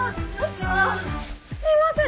すいません！